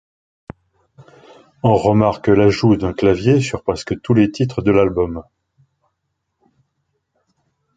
On remarque l'ajout d'un clavier sur presque tout les titres de l'album.